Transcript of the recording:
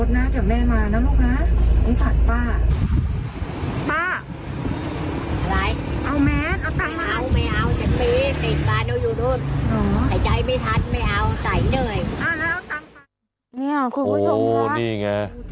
อ๋อใส่ใจไม่ทันไม่เอาใส่เหนื่อยเอาเอาตังค์มาเนี่ยคุณผู้ชมครับโหนี่ไง